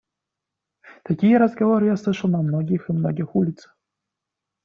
Такие разговоры я слышал на многих и многих улицах.